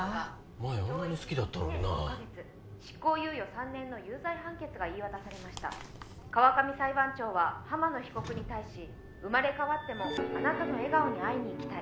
前あんなに好きだったのになあ執行猶予３年の有罪判決が言い渡されました川上裁判長は浜野被告に対し「生まれ変わってもあなたの笑顔に会いに行きたい」